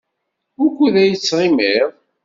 Wukud ay tettɣimiḍ?